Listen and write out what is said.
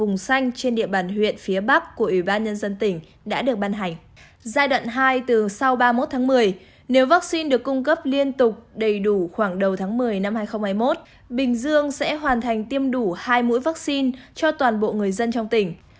giai đoạn hai từ sau ba mươi một tháng một mươi nếu vaccine được cung cấp liên tục đầy đủ khoảng đầu tháng một mươi năm hai nghìn hai mươi một bình dương sẽ hoàn thành tiêm đủ hai mũi vaccine cho toàn bộ người dân trong tỉnh